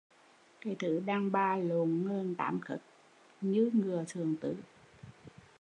Cái thứ đàn bà lộn ngờn tám khớt, như ngựa Thượng tứ